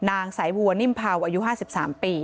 นางสายวัวนิ่มเผาอายุ๕๓ปี